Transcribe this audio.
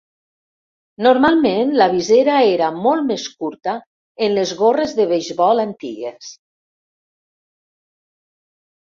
Normalment, la visera era molt més curta en les gorres de beisbol antigues.